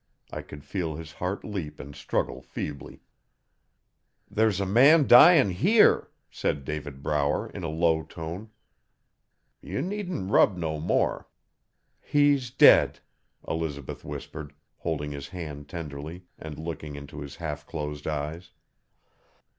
I could feel his heart leap and struggle feebly. 'There's a man dyin' here,' said David Brower, in a low tone. 'Ye needn't rub no more. 'He's dead,' Elizabeth whispered, holding his hand tenderly, and looking into his half closed eyes.